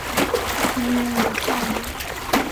成员为教友。